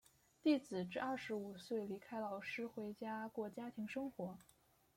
弟子至二十五岁离开老师回家过家庭生活。